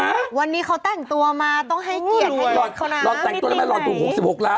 วันนี้เขาแต่งตัวมาต้องให้เกียรติให้ยุทธ์เขานะ